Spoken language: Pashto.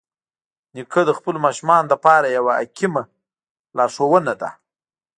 نیکه د خپلو ماشومانو لپاره یوه حکیمه لارښوونه ده.